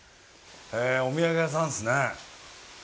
お土産屋さんっすね。